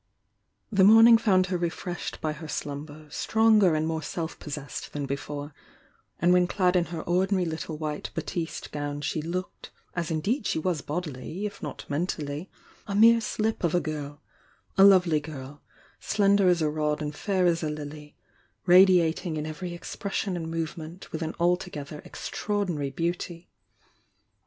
The morning found her refreshed by her slumber, stronger and more self possessed than before; and when clad in her ordinary little white batiste gown she looked, as indeed she was bodily, if not men tally, a mere slip of a girl, — a lovely girl, slender as a rod and fair as a lily, radiating in every expres sion and movement with an altogether extraordinary beauty.